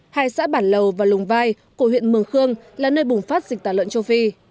hai xã bản lầu và lùng vai của huyện mường khương là nơi bùng phát dịch tả lợn châu phi